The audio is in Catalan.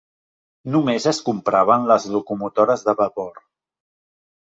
Només es compraven les locomotores de vapor.